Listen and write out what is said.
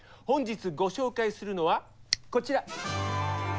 本日ご紹介するのはこちら。